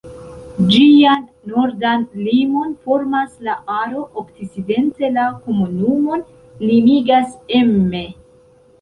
Ĝian nordan limon formas la Aro, okcidente la komunumon limigas Emme.